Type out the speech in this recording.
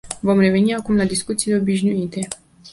Vom reveni acum la discuțiile obișnuite.